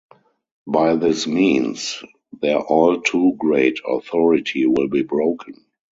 By this means, their all-too-great authority will be broken.